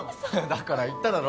だから言っただろ